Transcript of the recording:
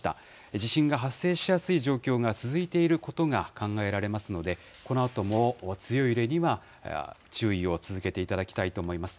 地震が発生しやすい状況が続いていることが考えられますので、このあとも強い揺れには注意を続けていただきたいと思います。